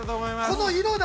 ◆この色だ！